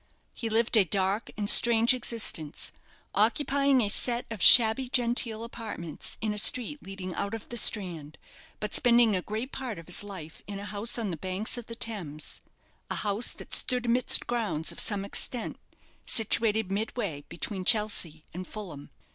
He lived a dark and strange existence, occupying a set of shabby genteel apartments in a street leading out of the Strand; but spending a great part of his life in a house on the banks of the Thames a house that stood amidst grounds of some extent, situated midway between Chelsea and Fulham.